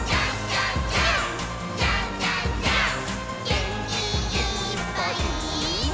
「げんきいっぱいもっと」